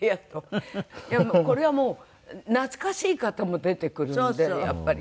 これはもう懐かしい方も出てくるんでやっぱり。